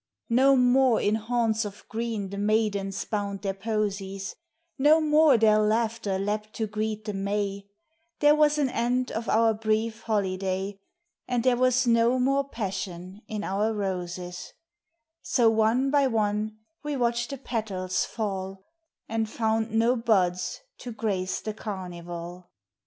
No more in haunts of green the maidens bound their posies, No more their laughter leapt to greet the May, There was an end of our brief holiday, And there was no more passion in our roses ; So one by one we watched the petals fall, And found no buds to grace the carnival.